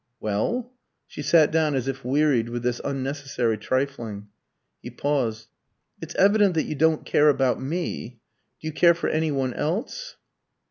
"Well?" She sat down as if wearied with this unnecessary trifling. He paused. "It's evident that you don't care about me. Do you care for any one else?"